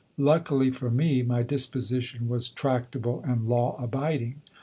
Luckily for me, my disposition was tractable and law abiding.